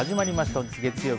本日、月曜日。